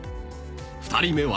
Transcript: ［２人目は］